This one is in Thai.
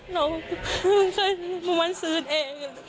เราเมื่อวันซื้นเอง